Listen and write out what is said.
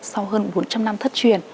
sau hơn bốn trăm linh năm thất truyền